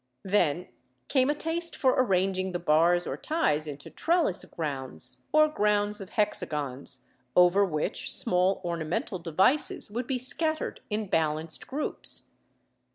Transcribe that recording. Then came a taste for arranging the bars or ties into trellis grounds, or grounds of hexagons, over which small ornamental devices would be scattered in balanced groups.